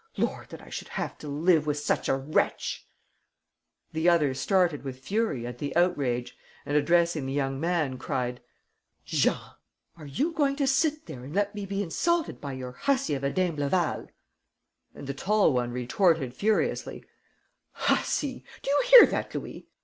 Lord, that I should have to live with such a wretch!" The other started with fury at the outrage and, addressing the young man, cried: "Jean, are you going to sit there and let me be insulted by your hussy of a d'Imbleval?" And the tall one retorted, furiously: "Hussy! Do you hear that, Louis?